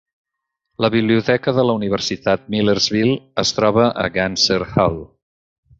La biblioteca de la Universitat Millersville es troba al Ganser Hall.